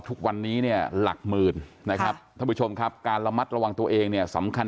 ทุกวันนี้เนี่ยหลักหมื่นนะครับท่านผู้ชมครับการระมัดระวังตัวเองเนี่ยสำคัญ